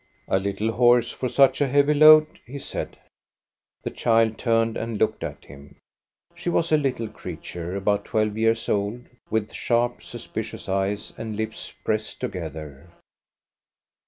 "A little horse for such a heavy load," he said. The child turned and looked at him. She was a INTRODUCTION 13 little creature about twelve years old, with sharp, suspicious eyes, and lips pressed together.